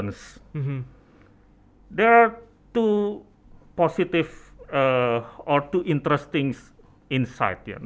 ada dua pengetahuan positif atau dua pengetahuan yang menarik